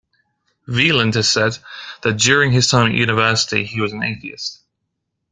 Wieland has said that during his time at university he was an atheist.